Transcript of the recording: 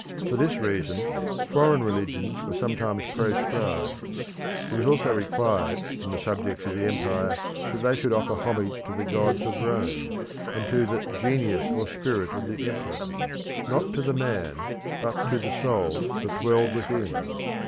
For this reason, foreign religions were sometimes proscribed. It was also required from the subjects of the empire that they should offer homage to the gods of Rome, and to the genius or spirit of the emperor; not to the man, but to the soul that dwelled within.